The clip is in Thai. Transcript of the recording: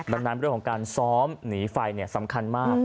ดังนั้นเรื่องของการซ้อมหนีไฟสำคัญมาก